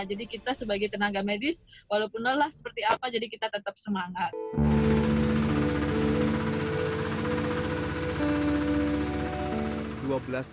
jadi kita sebagai tenaga medis walaupun lelah seperti apa jadi kita tetap semangat